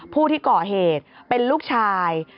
ผู้ที่ก่อเหตุเป็นลูกชาย